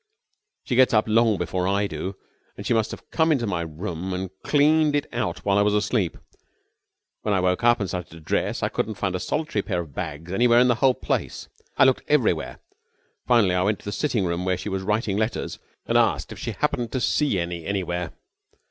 She gets up long before I do, and she must have come into my room and cleaned it out while I was asleep. When I woke up and started to dress I couldn't find a solitary pair of bags anywhere in the whole place. I looked everywhere. Finally, I went into the sitting room where she was writing letters and asked if she had happened to see any anywhere.